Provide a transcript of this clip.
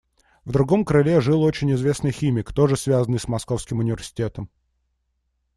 В другом крыле жил очень известный химик, тоже связанный с Московским университетом.